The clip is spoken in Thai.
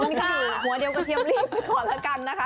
นี่หัวเดียวกระเทียมรีบไปก่อนแล้วกันนะคะ